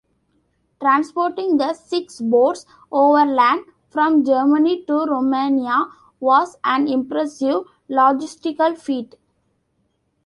Transporting the six boats overland from Germany to Romania was an impressive logistical feat.